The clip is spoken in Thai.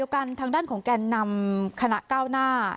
กันทางด้านของแก่นนำคณะก้าวหน้า